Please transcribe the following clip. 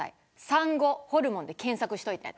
産後、ホルモンで検索しといて。